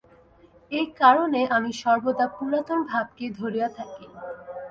এই কারণে আমি সর্বদা পুরাতন ভাবকেই ধরিয়া থাকি।